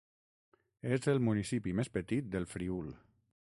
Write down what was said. És el municipi més petit del Friül.